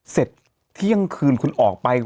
เสร็จเที่ยงคืนคุณออกไป